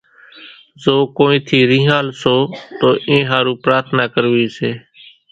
زو ڪونئين ٿي رينۿال سو تو اين ۿارُو پرارٿنا ڪروي سي